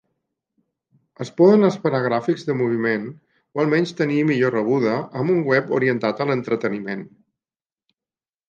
Es poden esperar gràfics de moviment, o almenys tenir millor rebuda, amb un web orientat a l'entreteniment.